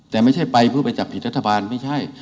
แต่ไม่ใช่ไปเพื่อไปจับผิดรัฐบาลไม่ใช่